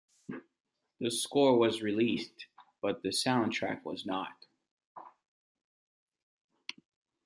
The score was released, but the soundtrack was not.